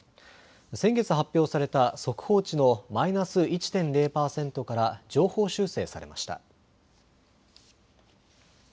先月発表された速報値のマイナス１．０％から上方修正されました。